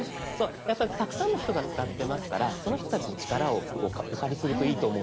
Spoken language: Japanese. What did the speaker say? やっぱりたくさんの人が使ってますからその人たちの力をお借りするといいと思うんです。